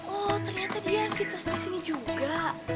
oh ternyata dia fitnes disini juga